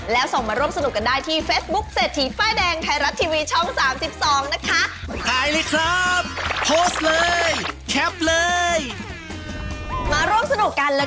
แล้วส่งมาร่วมสนุกกันได้ที่เฟซบุ๊คเศรษฐีป้ายแดงไทยรัฐทีวีช่อง๓๒นะคะ